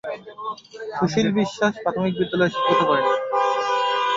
সুশীল বিশ্বাস প্রাথমিক বিদ্যালয়ে শিক্ষকতা করতেন।